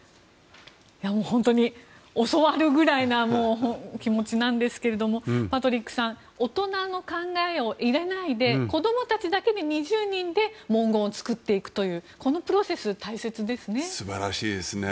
本当に、教わるくらいな気持ちなんですけどもパトリックさん大人の考えを入れないで子どもたちだけで２０人で文言を作っていくというこのプロセス、大切ですね。